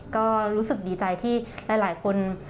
ก็รู้สึกดีใจที่หลายคน